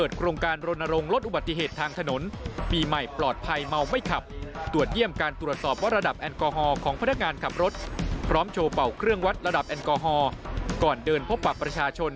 เจาะประเด็นจากรอยงานครับ